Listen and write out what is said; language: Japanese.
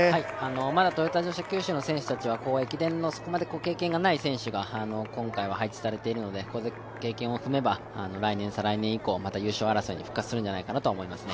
まだトヨタ自動車九州の選手たちは駅伝の経験がない選手が今回は配置されているので、ここで経験を踏めば、来年、再来年以降、優勝争いに復活するんではないかと思いますね。